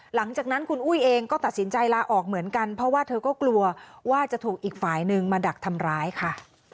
หลังจากนั้นคุณอุ้ยเองก็ตัดสินใจลาออกเหมือนกันเพราะว่าเธอก็กลัวว่าจะถูกอีกฝ่ายนึงมาดักทำร้ายค่ะ